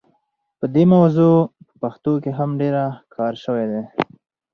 په دې موضوع په پښتو کې هم ډېر کار شوی دی.